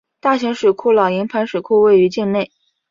大型水库老营盘水库位于境内。